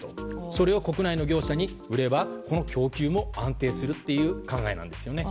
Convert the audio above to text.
それを国内の業者に売ればこの供給も安定するという考えなんです。